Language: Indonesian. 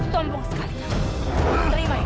tombong sekali terima itu